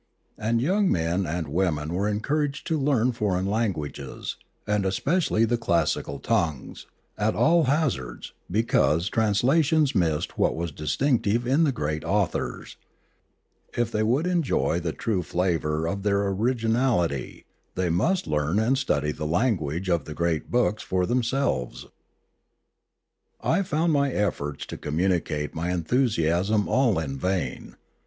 And young men and women were encouraged to learn foreign languages, and especially the classical tongues, at all hazards, because translations missed what was distinctive in the great authors; if they would enjoy the true flavour of their originality, they must learn and study the language of the great books for them selves. I found my efforts to communicate my enthusiasm all in vain.